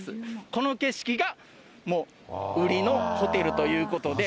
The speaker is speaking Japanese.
この景色がもう売りのホテルということで。